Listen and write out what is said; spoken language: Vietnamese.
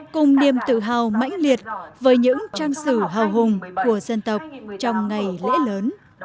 cùng niềm tự hào mãnh liệt với những trang sử hào hùng của dân tộc trong ngày lễ lớn